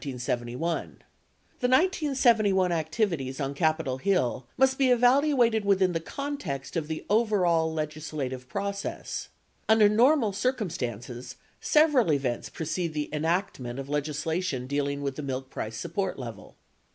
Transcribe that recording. The 1971 activities on Capitol Hill must be evaluated within the context of the overall legislative process. Under normal circumstances, several events precede the enactment of legisla tion dealing with the milk price support level.